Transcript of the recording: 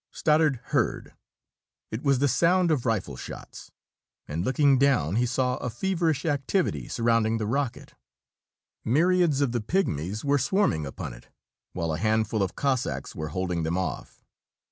Stoddard heard. It was the sound of rifle shots. And looking down, he saw a feverish activity surrounding the rocket. Myriads of the pigmies were swarming upon it, while a handful of Cossacks were holding them off.